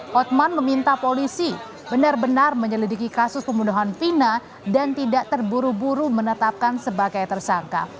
hotman meminta polisi benar benar menyelidiki kasus pembunuhan pina dan tidak terburu buru menetapkan sebagai tersangka